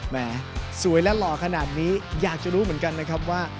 แหมสวยและหล่อขนาดนี้อยากจะรู้เหมือนกันนะครับว่า